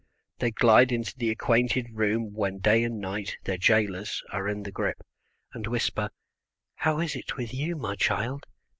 They glide into the acquainted room when day and night, their jailers, are in the grip, and whisper, "How is it with you, my child?"